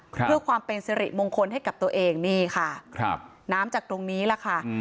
เพื่อความเป็นสิริมงคลให้กับตัวเองนี่ค่ะครับน้ำจากตรงนี้แหละค่ะ